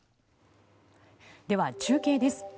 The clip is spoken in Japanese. では中継です。